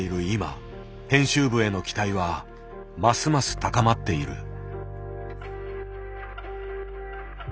今編集部への期待はますます高まっている。